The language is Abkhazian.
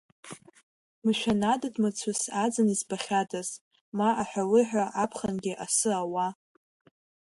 Мшәан, адыд-мацәыс аӡын избахьадаз, ма аҳәалыҳәа аԥхынгьы асы ауа?!